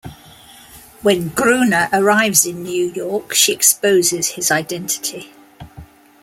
When Gruner arrives in New York, she exposes his identity.